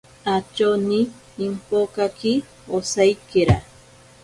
Atyoni impokaki osaikera.